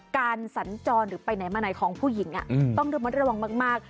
สัญจรหรือไปไหนมาไหนของผู้หญิงต้องระมัดระวังมาก